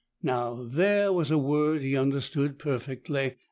Now there was a word he understood perfectly.